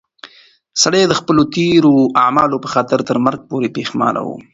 سړی د خپلو تېرو اعمالو په خاطر تر مرګ پورې پښېمانه و.